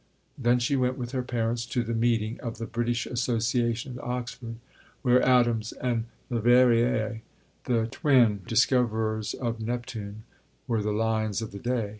Then she went with her parents to the meeting of the British Association at Oxford, where Adams and Leverrier, the twin discoverers of Neptune, were the lions of the day.